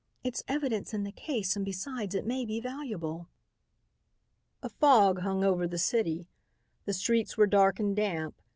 It's evidence in the case and besides it may be valuable." A fog hung over the city. The streets were dark and damp.